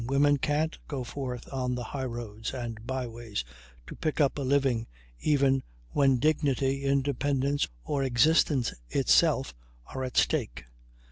Women can't go forth on the high roads and by ways to pick up a living even when dignity, independence, or existence itself are at stake.